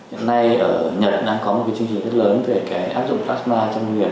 hiện nay ở nhật đang có một cái chương trình rất lớn về cái áp dụng plasma trong công nghiệp